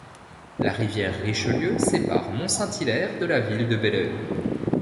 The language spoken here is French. La rivière Richelieu sépare Mont-Saint-Hilaire de la ville de Belœil.